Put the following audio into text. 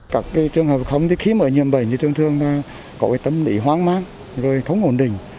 các trường hợp không khi mở nhiệm bệnh trường thương có tâm lý hoang mát không ổn định